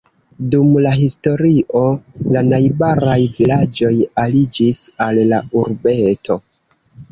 Dum la historio la najbaraj vilaĝoj aliĝis al la urbeto.